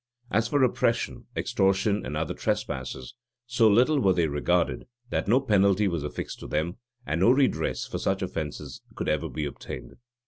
[*] As for oppression, extortion, and other trespasses, so little were they regarded, that no penalty was affixed to them, and no redress for such offences could ever be obtained.